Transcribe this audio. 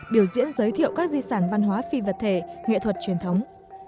biểu diễn giới thiệu các di sản văn hóa phi vật thể nghệ thuật truyền thống